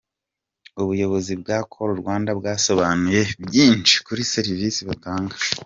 com, ubuyobozi bwa Call Rwanda bwasobanuye byinshi kuri serivisi batanga.